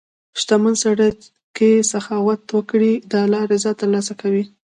• شتمن سړی که سخاوت وکړي، د الله رضا ترلاسه کوي.